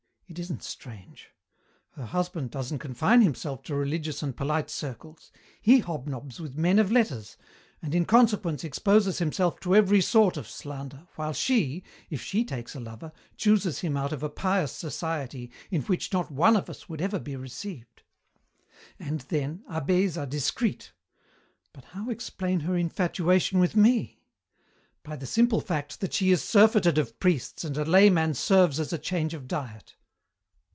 It isn't strange. Her husband doesn't confine himself to religious and polite circles. He hobnobs with men of letters, and in consequence exposes himself to every sort of slander, while she, if she takes a lover, chooses him out of a pious society in which not one of us would ever be received. And then, abbés are discreet. But how explain her infatuation with me? By the simple fact that she is surfeited of priests and a layman serves as a change of diet.